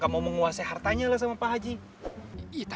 kita disalahin ntar